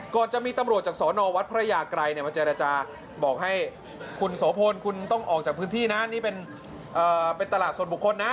ก่อนจะมีตำรวจจากสอนอวัดพระยากรัยมาเจรจาบอกให้คุณโสพลคุณต้องออกจากพื้นที่นะนี่เป็นตลาดส่วนบุคคลนะ